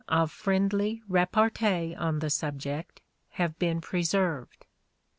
of friendly repartee on the subject have been preserved.